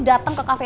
dateng ke cafe